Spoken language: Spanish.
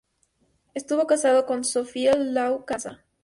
Estuvo casado con Sophie Lihau-Kanza.